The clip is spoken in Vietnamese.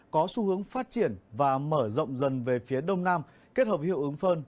có xu hướng phát triển và mở rộng dần về phía đông nam kết hợp hiệu ứng phơn